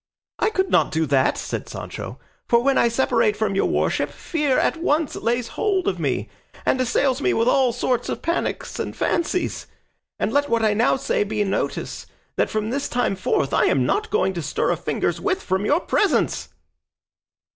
"I could not do that," said Sancho, "for when I separate from your worship fear at once lays hold of me, and assails me with all sorts of panics and fancies; and let what I now say be a notice that from this time forth I am not going to stir a finger's width from your presence."